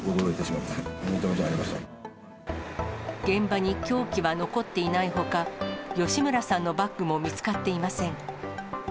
現場に凶器は残っていないほか、吉村さんのバッグも見つかっていません。